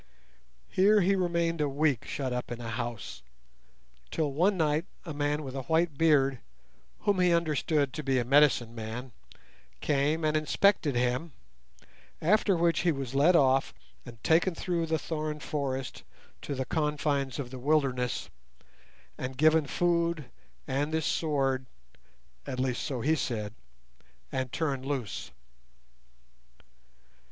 Here he remained a week shut up in a house, till one night a man with a white beard, whom he understood to be a 'medicine man', came and inspected him, after which he was led off and taken through the thorn forest to the confines of the wilderness, and given food and this sword (at least so he said), and turned loose."